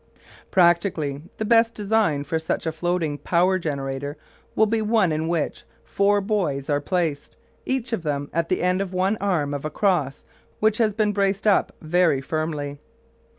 Practically the best design for such a floating power generator will be one in which four buoys are placed, each of them at the end of one arm of a cross which has been braced up very firmly.